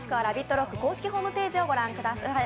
ＲＯＣＫ公式ホームページをご覧ください。